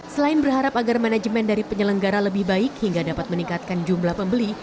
selain berharap agar manajemen dari penyelenggara lebih baik hingga dapat meningkatkan jumlah pembeli